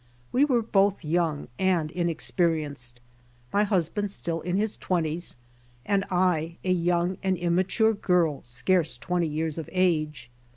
We were both young and inexperienced, my husband still in his twenties, and I a young and immature girl scarce twenty years of age.